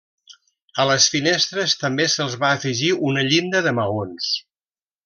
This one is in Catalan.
A les finestres també se'ls va afegir una llinda de maons.